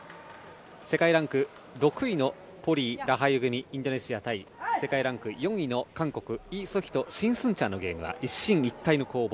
世界ランク６位のポリイ、ラハユ組インドネシア対世界ランク４位の韓国イ・ソヒとシン・スンチャンのゲームは一進一退の攻防